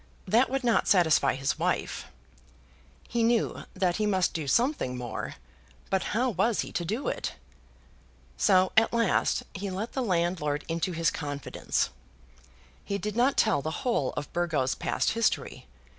That would not satisfy his wife. He knew that he must do something more; but how was he to do it? So at last he let the landlord into his confidence. He did not tell the whole of Burgo's past history.